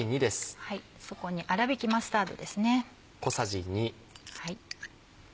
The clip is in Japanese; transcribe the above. そこに「あらびきマスタード」ですね。